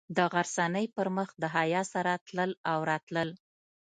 د غرڅنۍ پر مخ د حیا سره تلل او راتلل.